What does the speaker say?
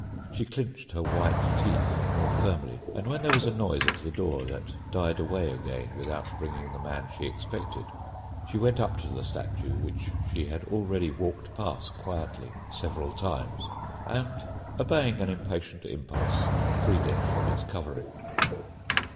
She clinched her white teeth more firmly, and when there was a noise at the door that died away again without bringing the man she expected, she went up to the statue which she had already walked past quietly several times and, obeying an impatient impulse, freed it from its covering.